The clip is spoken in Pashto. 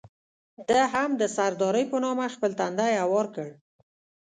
ده هم د سردارۍ په نامه خپل تندی هوار کړ.